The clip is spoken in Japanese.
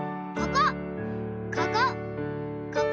ここ！